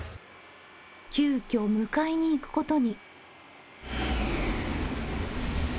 急きょ迎えにいくことに。